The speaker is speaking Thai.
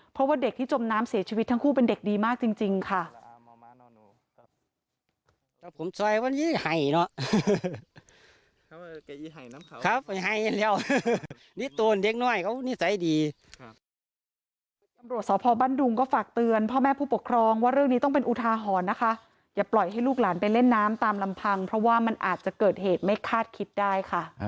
ครับให้นี่เดี๋ยวนี่ตัวเด็กน้อยเขานิสัยดี